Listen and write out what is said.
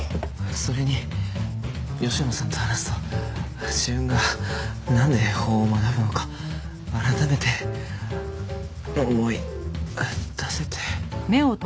それに吉野さんと話すと自分がなんで法を学ぶのか改めて思い出せて。